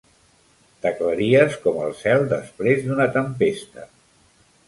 T'aclaries com el cel després d'una tempesta.